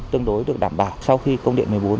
tương đối được đảm bảo sau khi công điện